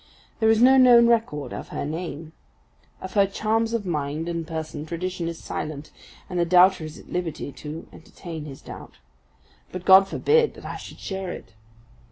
There is no known record of her name; of her charms of mind and person tradition is silent and the doubter is at liberty to entertain his doubt; but God forbid that I should share it!